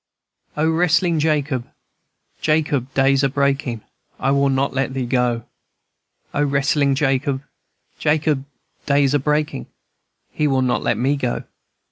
"O wrestlin' Jacob, Jacob, day's a breakin'; I will not let thee go! O wrestlin' Jacob, Jacob, day's a breakin'; He will not let me go!